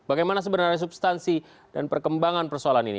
bagaimana sebenarnya substansi dan perkembangan persoalan ini